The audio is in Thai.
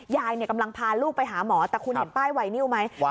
ยายกำลังพาลูกไปหาหมอแต่คุณเห็นป้ายไวนิวไหม